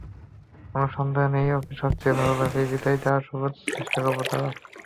কোনো সন্দেহ নেই, ওকে সবচেয়ে ভালোভাবেই বিদায় দেওয়ার সর্বোচ্চ চেষ্টা করবে তারা।